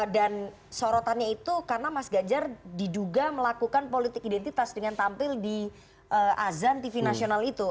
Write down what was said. dan sorotannya itu karena mas gajar diduga melakukan politik identitas dengan tampil di azan tv nasional itu